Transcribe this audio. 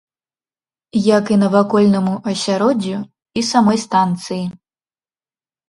Як і навакольнаму асяроддзю і самой станцыі.